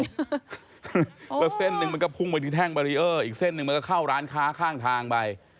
แล้วเส้นหนึ่งมันก็พุ่งไปที่แท่งบารีเออร์อีกเส้นหนึ่งมันก็เข้าร้านค้าข้างทางไป